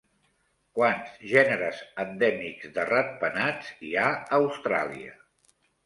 Quants gèneres endèmics de ratpenats hi ha a Austràlia?